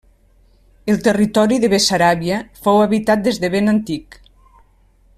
El territori de Bessaràbia fou habitat des de ben antic.